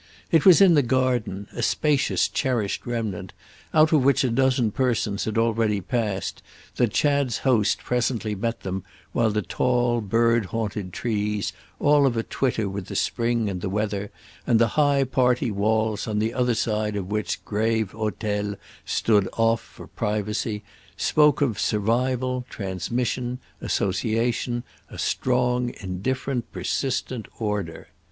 It was in the garden, a spacious cherished remnant, out of which a dozen persons had already passed, that Chad's host presently met them while the tall bird haunted trees, all of a twitter with the spring and the weather, and the high party walls, on the other side of which grave hôtels stood off for privacy, spoke of survival, transmission, association, a strong indifferent persistent order.